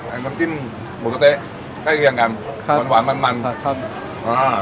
อันน้ำจิ้มหมูสะเต๊ะใกล้เรียงกันครับมันหวานมันมันครับครับ